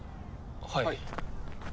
はい。